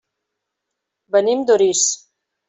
Venim d'Orís.